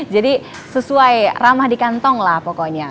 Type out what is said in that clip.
jadi sesuai ramah di kantong lah pokoknya